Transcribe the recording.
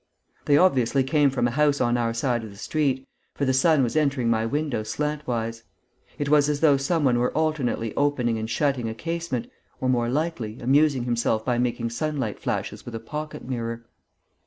They obviously came from a house on our side of the street, for the sun was entering my windows slantwise. It was as though some one were alternately opening and shutting a casement, or, more likely, amusing himself by making sunlight flashes with a pocket mirror.